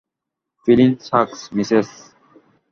Fleece circus, Mrs.